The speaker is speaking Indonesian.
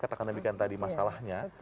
katakan lebih kan tadi masalahnya